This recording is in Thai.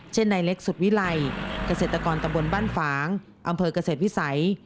ในเล็กสุดวิลัยเกษตรกรตำบลบ้านฝางอำเภอกเกษตรวิสัย